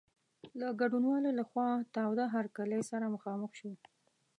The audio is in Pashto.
د ګډونوالو له خوا تاوده هرکلی سره مخامخ شو.